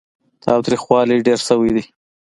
تاوتريخوالی ډېر شوی دی.